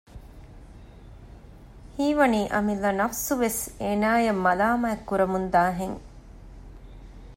ހީވަނީ އަމިއްލަ ނަފުސުވެސް އޭނައަށް މަލާމަތްކުރަމުންދާހެން